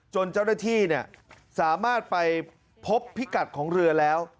เจ้าหน้าที่สามารถไปพบพิกัดของเรือแล้ว